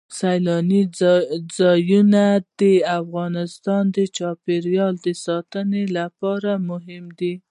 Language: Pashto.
سیلاني ځایونه د افغانستان د چاپیریال ساتنې لپاره مهم دي.